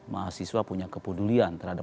mahasiswa punya kepedulian terhadap